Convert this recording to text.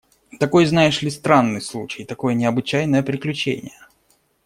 – Такой, знаешь ли, странный случай, такое необычайное приключение!